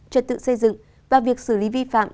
trật tự xây dựng và việc xử lý vi phạm